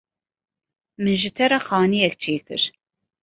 Min ji te re xaniyek çêkir.